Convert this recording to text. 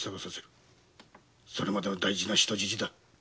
それまでは大事な人質だ。